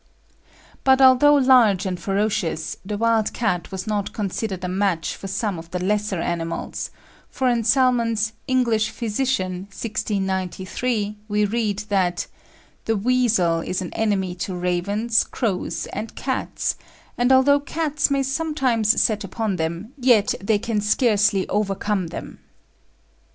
But although large and ferocious, the wild cat was not considered a match for some of the lesser animals, for in Salmon's "English Physician," 1693, we read that "The weasel is an enemy to ravens, crows, and cats, and although cats may sometimes set upon them, yet they can scarcely overcome them."